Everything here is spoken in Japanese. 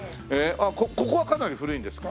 ここはかなり古いんですか？